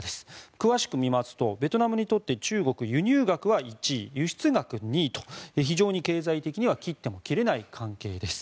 詳しく見ますとベトナムにとって中国は輸入額は１位輸出額２位と、非常に経済的には切っても切れない関係です。